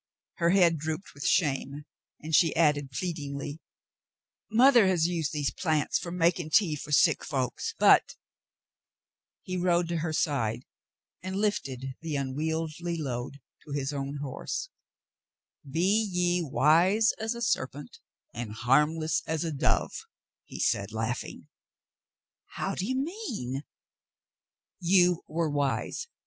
Her head drooped with shame and she added pleadingly, "Mother has used these plants for making tea for sick folks — but —" He rode to her side and lifted the unwieldy load to his own horse, "Be ye wise as a serpent and harmless as a dove," he said, laughing. "How do you mean "^" "You were wise.